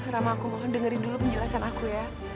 rama aku mohon dengerin dulu penjelasan aku ya